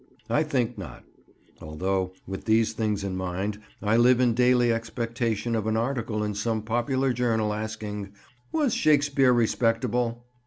I think not, although, with these things in mind, I live in daily expectation of an article in some popular journal, asking, "Was Shakespeare Respectable?"